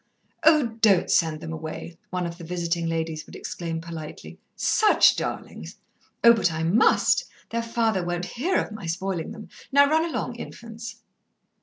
"Oh, don't send them away!" one of the visiting ladies would exclaim politely. "Such darlings!" "Oh, but I must! Their father won't hear of my spoilin' them. Now run along, infants."